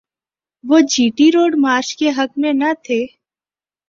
وہ G T road march کے حق میں نہ تھے۔